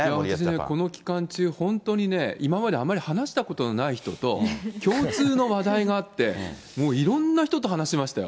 この期間中、本当にね、今まであまり話したことのない人と、共通の話題があって、もういろんな人と話しましたよ。